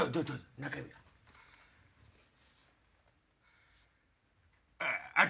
中身は。